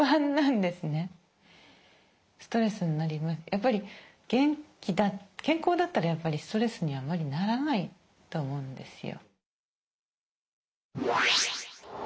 やっぱり健康だったらやっぱりストレスにはあまりならないと思うんですよ。